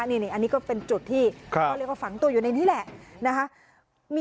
อันนี้ก็เป็นจุดที่เขาเรียกว่าฝังตัวอยู่ในนี้แหละนะคะ